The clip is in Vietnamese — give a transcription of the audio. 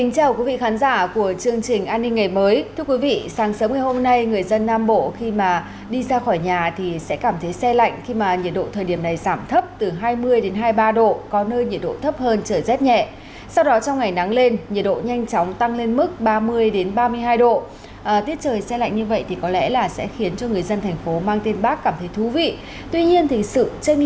chào mừng quý vị đến với bộ phim hãy nhớ like share và đăng ký kênh của chúng mình nhé